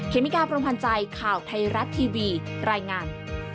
เมกาพรมพันธ์ใจข่าวไทยรัฐทีวีรายงาน